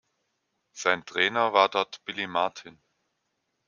Sein Trainer war dort Billy Martin.